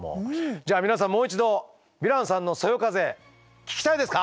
じゃあ皆さんもう一度ヴィランさんのそよ風聞きたいですか？